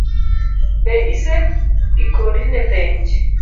Be ise ikori ne penj?